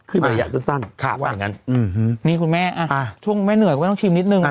ระยะสั้นเขาว่าอย่างนั้นนี่คุณแม่ช่วงไม่เหนื่อยก็ไม่ต้องชิมนิดนึง